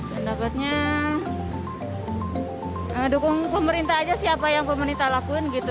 pendapatnya mendukung pemerintah saja sih apa yang pemerintah lakukan gitu